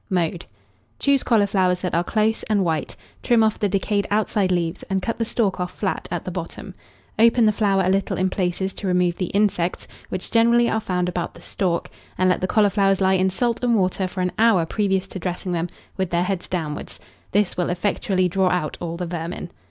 Mode. Choose cauliflowers that are close and white; trim off the decayed outside leaves, and cut the stalk off flat at the bottom. Open the flower a little in places to remove the insects, which generally are found about the stalk, and let the cauliflowers lie in salt and water for an hour previous to dressing them, with their heads downwards: this will effectually draw out all the vermin.